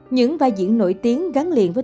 những vai diễn nổi tiếng gắn liền với